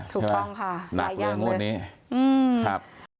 ถูกต้องค่ะหลายอย่างเลย